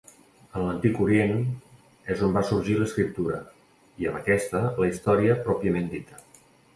En l'antic Orient és on va sorgir l'escriptura i, amb aquesta, la història pròpiament dita.